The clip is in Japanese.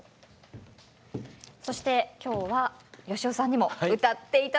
そして今日は芳雄さんにも歌って頂きます。